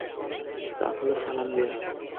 তা হল সালাম দেয়া।